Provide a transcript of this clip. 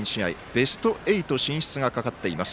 ベスト８進出がかかっています。